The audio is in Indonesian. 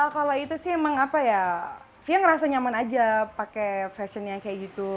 kalau itu sih emang apa ya fia ngerasa nyaman aja pake fashionnya kayak gitu